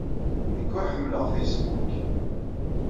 Nekk ur ḥemmleɣ Facebook.